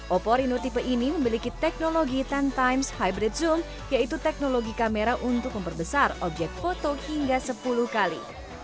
oppo reno tipe ini memiliki teknologi sepuluh times hybrid zoom yaitu teknologi kamera untuk memperbesar objek foto hingga sepuluh kali